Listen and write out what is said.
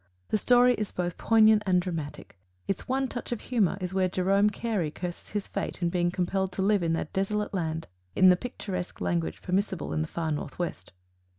The story is both poignant and dramatic. Its one touch of humor is where Jerome Carey curses his fate in being compelled to live in that desolate land in "the picturesque language permissible in the far Northwest."